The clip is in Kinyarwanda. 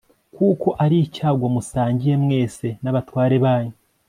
kuko ari icyago musangiye mwese n'abatware banyu